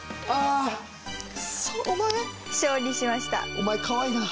お前かわいいな。